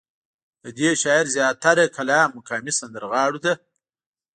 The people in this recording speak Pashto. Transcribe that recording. ددې شاعر زيات تره کلام مقامي سندرغاړو ته